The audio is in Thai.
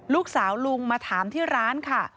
ลูกสาวลุงมาถามที่ร้านค่ะ